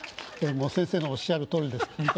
先生のおっしゃるとおりです。